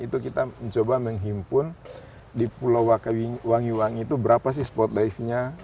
itu kita mencoba menghimpun di pulau wangiwangi itu berapa sih spot life nya